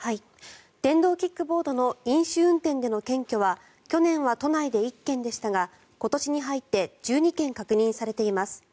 電動キックボードの飲酒運転での検挙は去年は都内で１件でしたが今年に入って１２件確認されています。